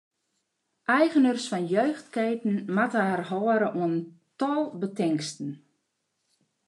Eigeners fan jeugdketen moatte har hâlde oan in tal betingsten.